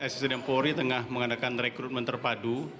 sdm polri tengah mengadakan rekrutmen terpadu